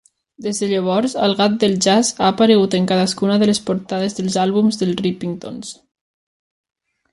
Des de llavors, el gat del jazz ha aparegut en cadascuna de les portades dels àlbums dels Rippingtons.